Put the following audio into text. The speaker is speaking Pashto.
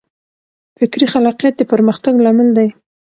فکري خلاقیت د پرمختګ لامل دی.